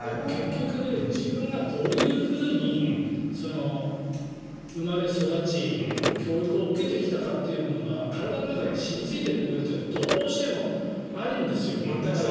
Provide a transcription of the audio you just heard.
結局自分がどういうふうに生まれ育ち教育を受けてきたのかというのが体の中に染みついている部分がどうしてもあるんですよ。